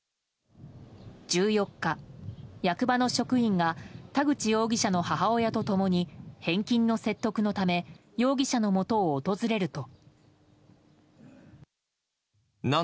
１４日、役場の職員が田口容疑者の母親と共に返金の説得のため容疑者のもとを訪れると。